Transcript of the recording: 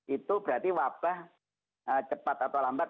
itu berarti wabah cepat atau lambat akan berlaku